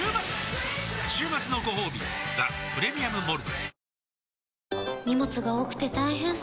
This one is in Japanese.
週末のごほうび「ザ・プレミアム・モルツ」